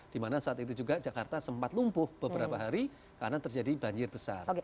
dimana saat itu juga jakarta sempat lumpuh beberapa hari karena terjadi banjir besar